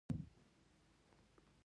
پخپله مې هم ورد کول.